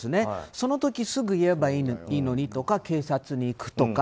その時すぐに言えばいいのにとか警察に行くとか。